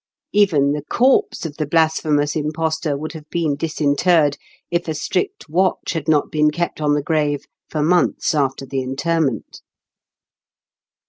Even the corpse of the blasphemous impostor would have been disinterred, if a strict watch had not been kept on the grave for months after the interment.